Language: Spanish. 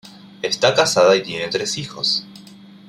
Está casada y tiene tres hijos.